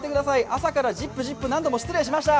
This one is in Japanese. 朝からＺＩＰ、ＺＩＰ何度も失礼しました。